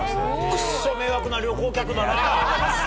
くっそ迷惑な旅行客だな。